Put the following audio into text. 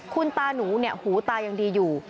คุณตานูหูตายังดีอยู่